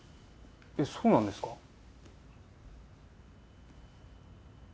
えっそうなんですか？